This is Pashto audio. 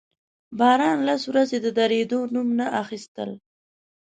باران لس ورځې د درېدو نوم نه اخيستل.